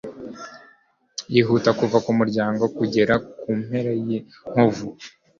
yihuta kuva kumuryango kugera kumpera yinkovu